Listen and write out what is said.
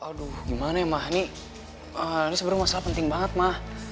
aduh gimana ya ma ini sebenernya masalah penting banget ma